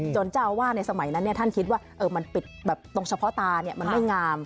เจ้าอาวาสในสมัยนั้นท่านคิดว่ามันปิดแบบตรงเฉพาะตามันไม่งาม